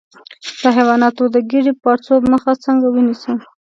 د حیواناتو د ګیډې د پړسوب مخه څنګه ونیسم؟